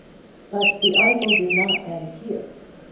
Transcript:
But the article did not end here.